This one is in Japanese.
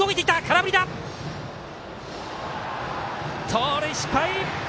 盗塁失敗。